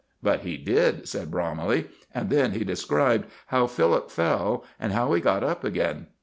"But he did," said Bromley; and then he described how Philip fell, and how he got up again.